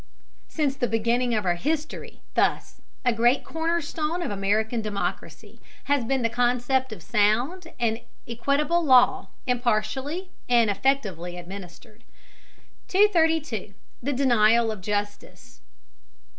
Since the beginning of our history, thus, a great cornerstone of American democracy has been the concept of sound and equitable law, impartially and effectively administered. 232. THE DENIAL OF JUSTICE.